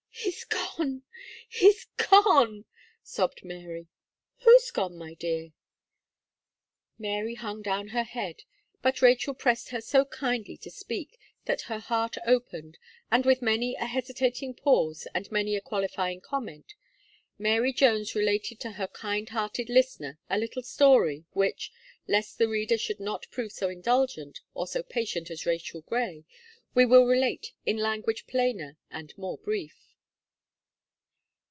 "He's gone he's gone!" sobbed Mary. "Who is gone, my dear?" Mary hung down her head. But Rachel pressed her so kindly to speak, that her heart opened, and with many a hesitating pause, and many a qualifying comment, Mary Jones related to her kind hearted listener a little story, which, lest the reader should not prove so indulgent, or so patient as Rachel Gray, we will relate in language plainer and more brief.